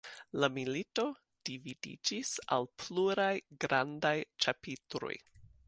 La milito dividiĝis al pluraj grandaj ĉapitroj.